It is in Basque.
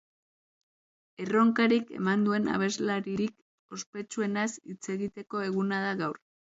Erronkarik eman duen abeslaririk ospetsuenaz hitz egiteko eguna da gaur.